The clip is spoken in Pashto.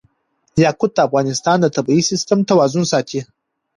یاقوت د افغانستان د طبعي سیسټم توازن ساتي.